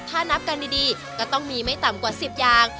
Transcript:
ถ้านับกันดีก็ต้องมีไม่ต่ำกว่า๑๐อย่าง